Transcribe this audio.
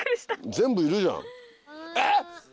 全部いるじゃん。